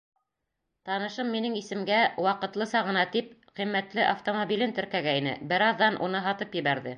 Танышым минең исемгә, ваҡытлыса ғына тип, ҡиммәтле автомобилен теркәгәйне, бер аҙҙан уны һатып ебәрҙе.